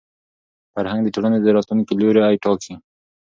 فرهنګ د ټولني د راتلونکي لوری ټاکي.